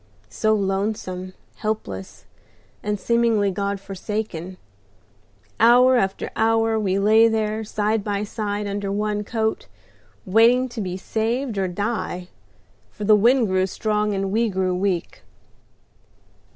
so lonesome, helpless, and seemingly God forsaken. Hour after hour we lay there side by side under one coat, waiting to be saved or die, for the wind grew strong and we grew weak."